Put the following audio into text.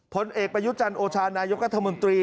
ผลเอกประยุจันทร์โอชานายกรัฐมนตรี